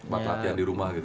buat latihan di rumah gitu